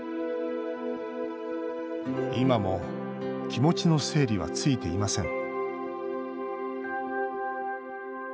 今も、気持ちの整理はついていません